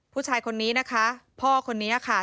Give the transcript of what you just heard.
ผู้ชายคนนี้นะคะพ่อคนนี้ค่ะ